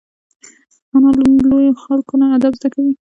انا له لویو خلکو نه ادب زده کوي